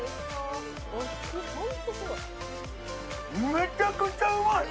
めちゃくちゃうまい！